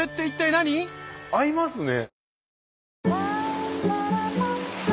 合いますね。